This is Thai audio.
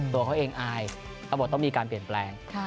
ตัวเขาเองอายตำรวจต้องมีการเปลี่ยนแปลง